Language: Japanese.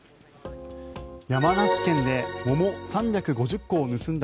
山梨県で桃３５０個を盗んだ